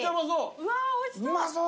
うわおいしそう。